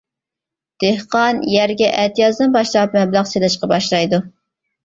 دېھقان يەرگە ئەتىيازدىن باشلاپ مەبلەغ سېلىشقا باشلايدۇ.